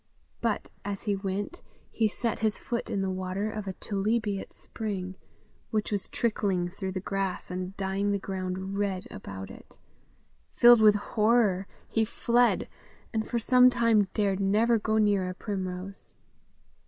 But as he went, he set his foot in the water of a chalybeate spring, which was trickling through the grass, and dyeing the ground red about it: filled with horror he fled, and for some time dared never go near a primrose.